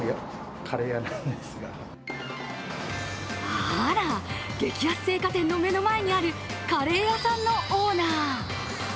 あらっ、激安青果店の目の前にあるカレー屋さんのオーナー。